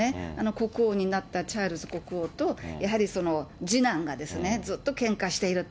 国王になったチャールズ国王と、やはり次男がずっとけんかしていると。